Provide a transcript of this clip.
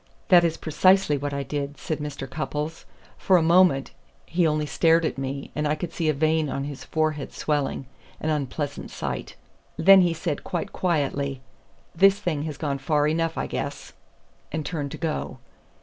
"That is precisely what I did," said Mr. Cupples. "For a moment he only stared at me, and I could see a vein on his forehead swelling an unpleasant sight. Then he said quite quietly: 'This thing has gone far enough, I guess,' and turned to go."